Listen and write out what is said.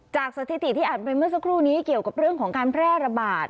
สถิติที่อ่านไปเมื่อสักครู่นี้เกี่ยวกับเรื่องของการแพร่ระบาด